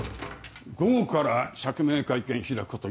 ・午後から釈明会見開くことになった。